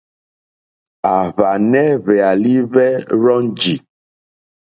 À hwànɛ́ hwɛ̀álí hwɛ́ rzɔ́njì.